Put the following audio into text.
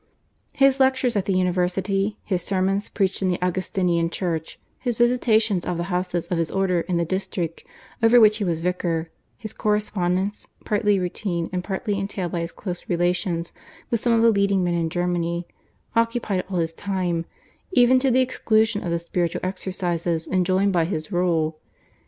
His lectures at the university, his sermons preached in the Augustinian church, his visitations of the houses of his order in the district over which he was vicar, his correspondence, partly routine and partly entailed by his close relations with some of the leading men in Germany, occupied all his time even to the exclusion of the spiritual exercises enjoined by his rule.